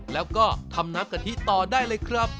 แล้วก็ทำน้ำกะทิต่อได้เลยครับ